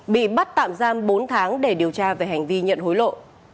bị bắt tạm giam bốn tháng để điều tra về hành vi nhận hối lộ